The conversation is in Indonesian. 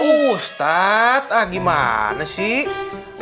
ustaz ah gimana sih